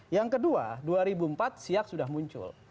yang kedua dua ribu empat siak sudah muncul